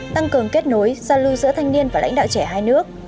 tăng cường kết nối giao lưu giữa thanh niên và lãnh đạo trẻ hai nước